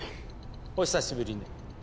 お久しぶりね。